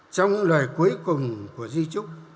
trong lời cuối cùng của duy trúc